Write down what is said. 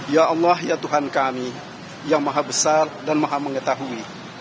ya allah ya tuhan kami yang maha besar dan maha mengetahui